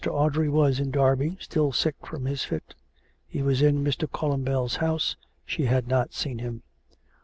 Audrey was in Derby, still sick from his fit. He was in Mr. Columbell's house. She had not seen him.